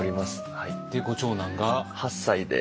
はい。